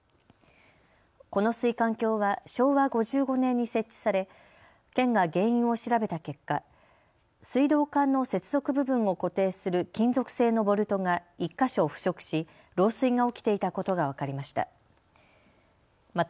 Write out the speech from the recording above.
この水管橋は昭和５５年に設置され、県が原因を調べた結果、水道管の接続部分を固定する金属製のボルトが１か所、腐食し漏水が起きていたことが分かりました。